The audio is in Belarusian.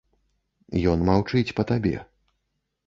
Ён маўчыць па табе.